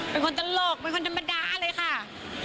เป็นคนตลกเป็นคนธรรมดาเลยค่ะ